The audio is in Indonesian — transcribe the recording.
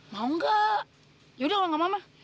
mau nggak yaudah kalo nggak mau mah